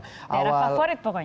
daerah favorit pokoknya